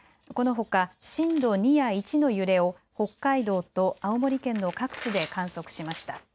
このほか、震度２や１の揺れを北海道と青森県の各地で観測しました。